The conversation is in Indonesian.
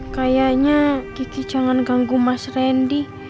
kayaknya kiki jangan ganggu mas randy